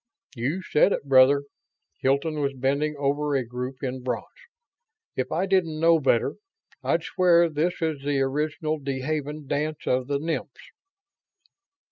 "You said it, brother." Hilton was bending over a group in bronze. "If I didn't know better, I'd swear this is the original deHaven 'Dance of the Nymphs'."